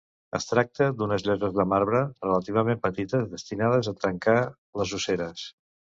Es tracta d'unes lloses de marbre relativament petites, destinades a tancar les osseres.